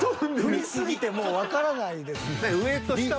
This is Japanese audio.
踏み過ぎてもうわからないです。